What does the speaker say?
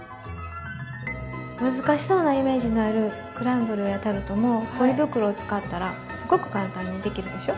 難しそうなイメージのあるクランブルやタルトもポリ袋を使ったらすごく簡単にできるでしょ？